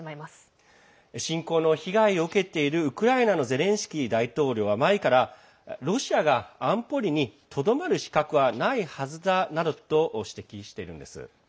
侵攻の被害を受けているウクライナのゼレンスキー大統領は前からロシアが安保理にとどまる資格はないはずだなどと指摘しています。